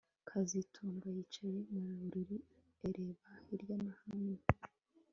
kazitunga yicaye mu buriri areba hirya no hino